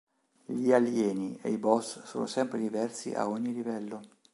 Gli alieni e i boss sono sempre diversi a ogni livello.